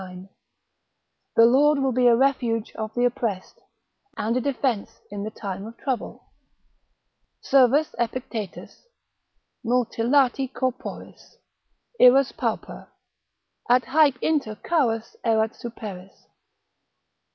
9. The Lord will be a refuge of the oppressed, and a defence in the time of trouble. Servus Epictetus, multilati corporis, Irus Pauper: at haec inter charus erat superis.